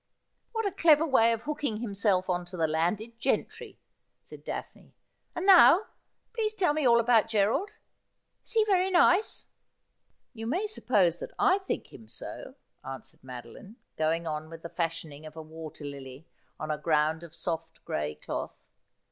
' What a clever way of hooking himself on to the landed gentry !' said Daphne. ' And now, please tell me all about Gerald. Is he very nice ?'' You may suppose that I think him so,' answered Madoline, going on with the fashioning of a water lily on a ground of soft gray cloth.